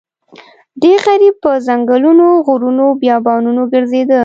دی غریب په ځنګلونو غرونو بیابانونو ګرځېده.